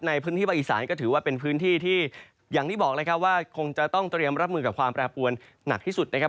ในพื้นที่ภาคอีสานก็ถือว่าเป็นพื้นที่ที่อย่างที่บอกเลยครับว่าคงจะต้องเตรียมรับมือกับความแปรปวนหนักที่สุดนะครับ